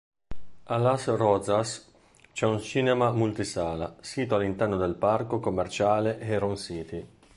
A Las Rozas c'è un cinema multisala, sito all'interno del parco commerciale Heron City.